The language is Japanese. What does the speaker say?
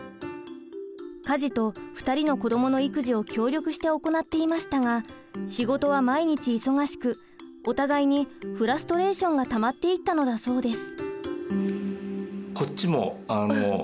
家事と２人の子どもの育児を協力して行っていましたが仕事は毎日忙しくお互いにフラストレーションがたまっていったのだそうです。